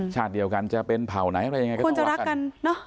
ชาติเดียวกันจะเป็นเผ่าไหนอะไรยังไงก็คงจะรักกันเนอะ